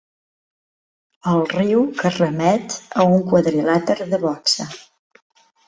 El riu que remet a un quadrilàter de boxa.